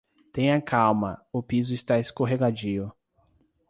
Tenha calma, o piso está escorregadio